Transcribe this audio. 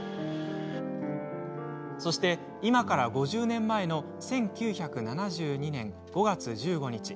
そして、今から５０年前の１９７２年５月１５日。